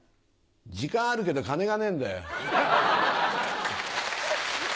時間あるけど金がねえんだよ。